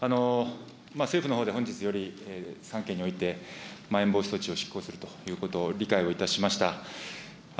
政府のほうで、本日より３県において、まん延防止措置を執行するということ、理解をいたしました。